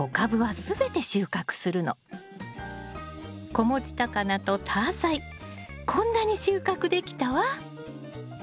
子持ちタカナとタアサイこんなに収穫できたわ。